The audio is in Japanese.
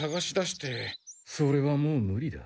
それはもうムリだ。